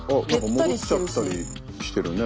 戻っちゃったりしてるね。